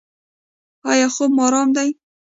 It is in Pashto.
ایا خوب مو ارام دی؟